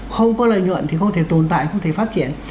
không có lợi nhuận thì không thể tồn tại không thể phát triển